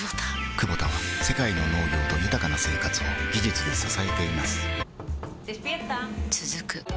クボタは世界の農業と豊かな生活を技術で支えています起きて。